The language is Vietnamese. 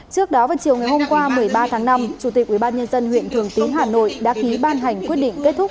trước đó vào chiều ngày hôm qua một mươi ba tháng năm chủ tịch ubnd huyện thường tín hà nội đã ký ban hành quyết định kết thúc